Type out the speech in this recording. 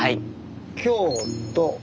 「京都」